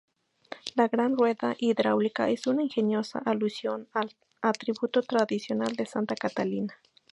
La gran rueda hidráulica es una ingeniosa alusión al atributo tradicional de Santa Catalina.